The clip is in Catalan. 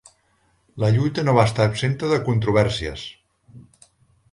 La lluita no va estar exempta de controvèrsies.